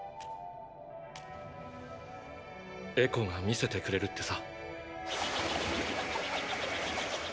エコが見せてくれるってさ。